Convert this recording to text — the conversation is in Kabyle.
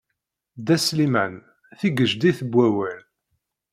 Dda Sliman: tigejdit n wawal.